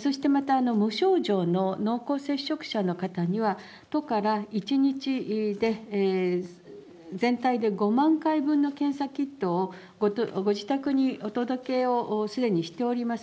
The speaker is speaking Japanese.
そしてまた無症状の濃厚接触者の方には、都から１日で、全体で５万回分の検査キットをご自宅にお届をすでにしております。